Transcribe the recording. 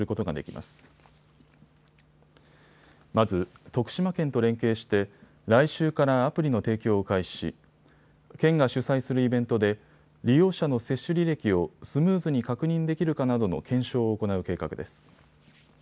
まず、徳島県と連携して来週からアプリの提供を開始し県が主催するイベントで利用者の接種履歴をスムーズに確認できるかなどの検証を行う計画です。